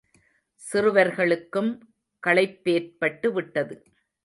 சிறுவர்களுக்கும் களைப்பேற்பட்டு விட்டது.